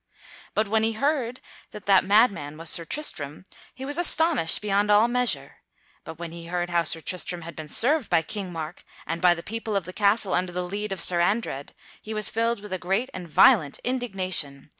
But when he heard that that madman was Sir Tristram, he was astonished beyond all measure; but when he heard how Sir Tristram had been served by King Mark and by the people of the castle under the lead of Sir Andred, he was filled with a great and violent indignation.